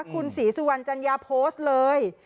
คุณศรีสุวรรณจัญญาโพสต์เลย